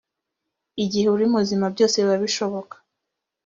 igihe uri muzima byose biba bishoboka